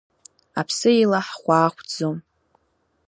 Аԥсы ила ҳхәаахәҭӡом.